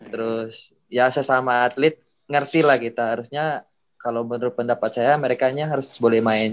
terus ya sesama atlet ngerti lah kita harusnya kalo menurut pendapat saya mereka harus boleh main